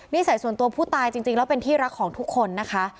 ใส่ส่วนตัวผู้ตายจริงแล้วเป็นที่รักของทุกคนนะคะ